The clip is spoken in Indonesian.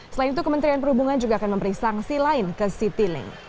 selain itu kementerian perhubungan juga akan memberi sanksi lain ke citylink